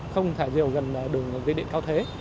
không thả diều gần đường rơi điện cao thế